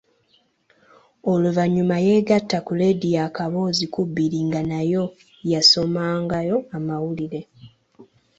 Oluvannyuma yeegatta ku leediyo Akaboozi ku bbiri nga nayo yasomangayo mawulire.